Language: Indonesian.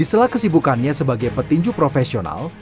di selak kesibukannya sebagai petinju profesional